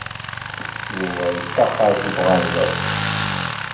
Yuba yeṭṭaxer seg uɣerbaz.